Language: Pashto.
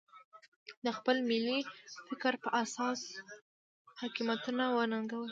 د خپل ملي فکر په اساس حاکمیتونه وننګول.